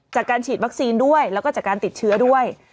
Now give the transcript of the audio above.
จากการฉีดวัคซีนด้วยแล้วก็จากการติดเชื้อด้วย